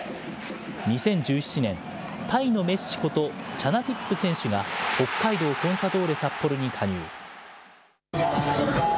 ２０１７年、タイのメッシこと、チャナティップ選手が、北海道コンサドーレ札幌に加入。